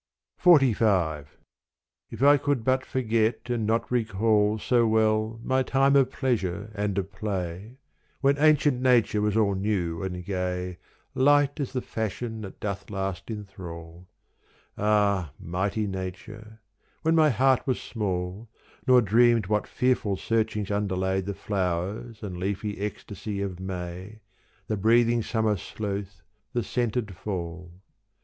XLV If I could but forget and not recall So well my time of pleasure and of play When ancient nature was all new and gay Light as the fashion that doth last enthrall : Ah mighty nature, when my heart was small Nor dreamed what fearful searchings underlay The flowers and leafy ecstasy of may, The breathing summer sloth, the scented fall.